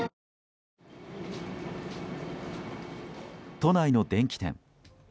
都内の電気店。